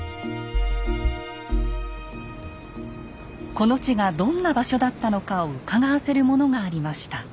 この地がどんな場所だったのかをうかがわせるものがありました。